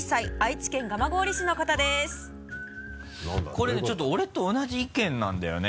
これねちょっと俺と同じ意見なんだよね。